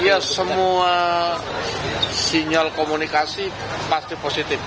iya semua sinyal komunikasi pasti positif